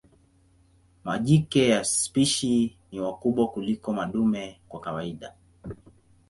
Majike ya spishi ni wakubwa kuliko madume kwa kawaida.